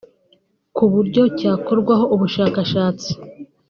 ku buryo cyakorwaho ubushakashatsi